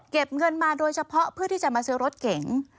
เงินมาโดยเฉพาะเพื่อที่จะมาซื้อรถเก๋ง